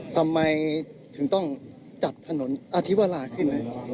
ทำไมถึงต้องจัดถนนอธิวราขึ้น